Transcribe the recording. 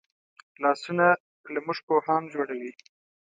لاسونه له موږ پوهان جوړوي